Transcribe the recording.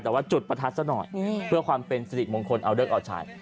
แต่ว่าจุดประทัดซะหน่อยเพื่อความเป็นสิริมงคลเอาเลิกเอาใช้